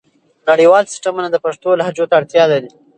نړیوال سیسټمونه د پښتو لهجو ته اړتیا لري.